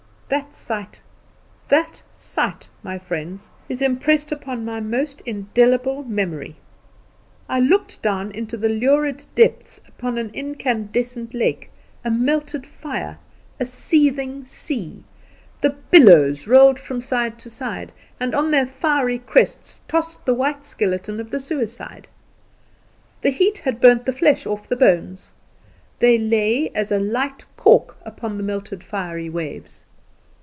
That sight that sight, my friends, is impressed upon my most indelible memory. I looked down into the lurid depths upon an incandescent lake, a melted fire, a seething sea; the billows rolled from side to side, and on their fiery crests tossed the white skeleton of the suicide. The heat had burnt the flesh from off the bones; they lay as a light cork upon the melted, fiery waves.